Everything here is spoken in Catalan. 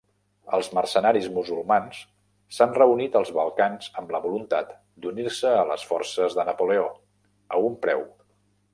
Els mercenaris musulmans s'han reunit als Balcans amb la voluntat d'unir-se a les forces de Napoleó, a un preu.